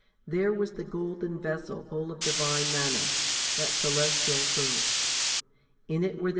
There was the golden vessel full of Divine manna, that celestial food20772077 Ps.